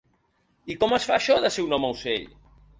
I com es fa això de ser un home-ocell?